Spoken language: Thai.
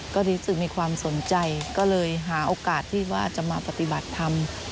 ก็รู้สึกมีความสนใจก็เลยหาโอกาสที่ว่าจะมาปฏิบัติธรรม